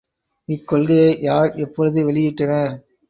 இக்கொள்கையை யார் எப்பொழுது வெளியிட்டனர்?